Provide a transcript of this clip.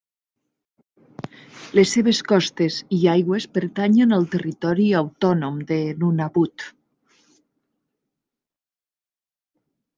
Les seves costes i aigües pertanyen al territori autònim de Nunavut.